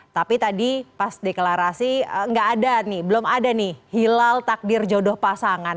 tapi tadi pas deklarasi nggak ada nih belum ada nih hilal takdir jodoh pasangan